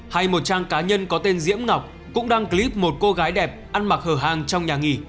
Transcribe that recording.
hay một trang cá nhân có tên diễm ngọc cũng đăng clip một cô gái đẹp ăn mặc hở hàng trong nhà nghỉ